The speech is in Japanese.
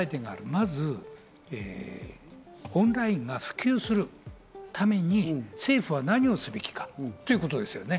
まずオンラインが普及するために政府は何をすべきかということですね。